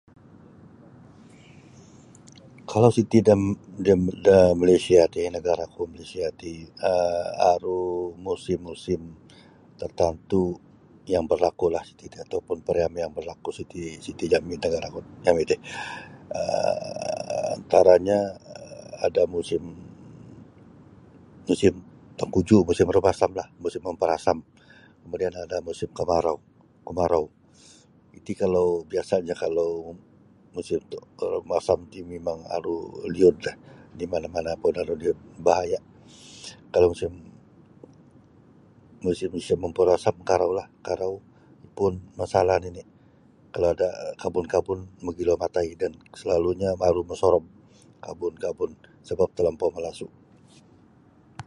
Kalau siti dam da Malaysia ti negaraku Malaysia ti um aru musim-musim tertantu yang berlakulah siti ti atau pun pariama yang berlaku siti siti jami da negaraku jami ti um antaranyo um ada musim musim tengkujuhlah musim rumasamlah musim mampurasam kemudian ada musim kemarau kemarau iti kalau biasanya kalau musim rumasam ti mimang aru liudlah di mana-manapun aru liud bahaya kalau musim-musim isa mapurasam karaulah karau pun masalah nini kalau ada kabun-kabun mogilo matai dan selalunyo aru mosorob kabun-kabun sebap talampau malasu' .